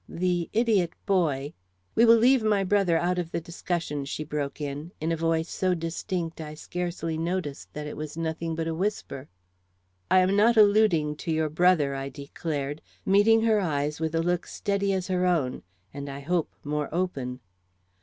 The idiot boy " "We will leave my brother out of the discussion," she broke in, in a voice so distinct I scarcely noticed that it was nothing but a whisper. "I am not alluding to your brother," I declared, meeting her eyes with a look steady as her own, and I hope more open.